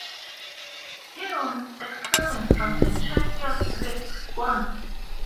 He was excluded from the Champions League squad.